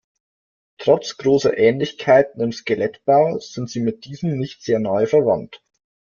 Trotz großer Ähnlichkeiten im Skelettbau sind sie mit diesem nicht sehr nahe verwandt.